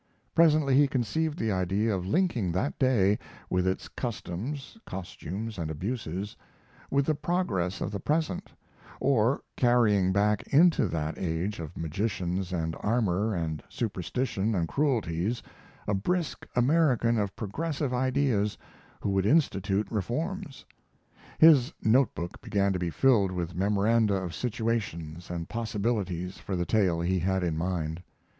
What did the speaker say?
Presently he conceived the idea of linking that day, with its customs, costumes, and abuses, with the progress of the present, or carrying back into that age of magicians and armor and superstition and cruelties a brisk American of progressive ideas who would institute reforms. His note book began to be filled with memoranda of situations and possibilities for the tale he had in mind.